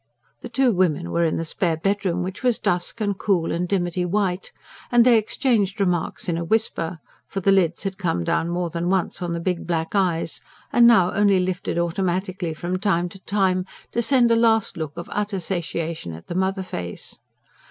The two women were in the spare bedroom, which was dusk and cool and dimity white; and they exchanged remarks in a whisper; for the lids had come down more than once on the big black eyes, and now only lifted automatically from time to time, to send a last look of utter satiation at the mother face.